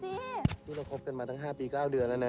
นี่เราคบกันมาตั้ง๕ปี๙เดือนแล้วนะ